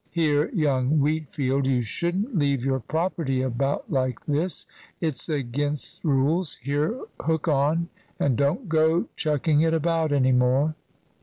Here, young Wheatfield, you shouldn't leave your property about like this. It's against rules. Here, hook on, and don't go chucking it about any more."